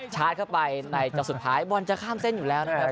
ชาร์จเข้าไปในจอสุดท้ายบอลจะข้ามเส้นอยู่แล้วนะครับ